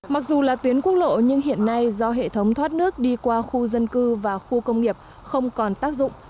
mặc dù là tuyến quốc lộ nhưng hiện nay do hệ thống thoát nước đi qua khu dân cư và khu công nghiệp không còn tác dụng